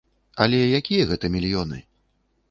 Але якія гэта мільёны?